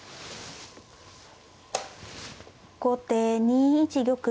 後手２一玉。